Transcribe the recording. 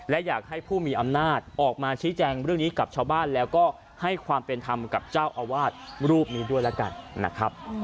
และอยากให้ผู้มีอำนาจออกมาชี้แจงเรื่องนี้กับชาวบ้านแล้วก็ให้ความเป็นธรรมกับเจ้าอาวาสรูปนี้ด้วยแล้วกันนะครับ